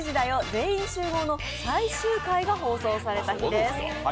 全員集合」の最終回が放送された日です。